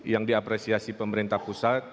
yang diapresiasi pemerintah pusat